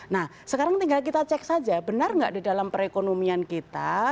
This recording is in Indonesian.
nah sekarang tinggal kita cek saja benar nggak di dalam perekonomian kita